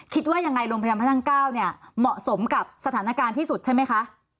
คิดว่ายังไงโรงพยาบาลพระนั่ง๙เนี่ยเหมาะสมกับสถานการณ์ที่สุดใช่ไหมคะ